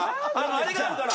あれがあるから。